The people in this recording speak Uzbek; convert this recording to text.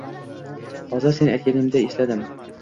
Hozir sen aytanganingda esladim.